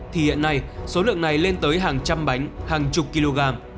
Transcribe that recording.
thì hiện nay số lượng này lên tới hàng trăm bánh hàng chục kg